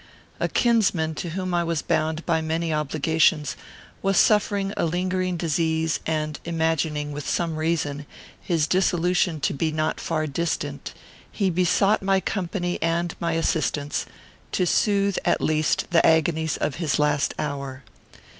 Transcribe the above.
A kinsman, to whom I was bound by many obligations, was suffering a lingering disease, and, imagining, with some reason, his dissolution to be not far distant, he besought my company and my assistance, to soothe, at least, the agonies of his last hour.